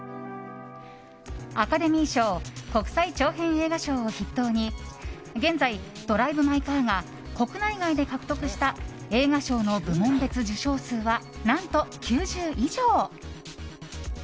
アカデミー賞国際長編映画賞を筆頭に現在「ドライブ・マイ・カー」が国内外で獲得した映画賞の部門別受賞数は何と９０以上！